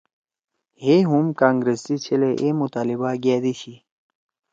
ہیئے ہُم کانگرس سی چھلَے اے مطالبہ گأدی شی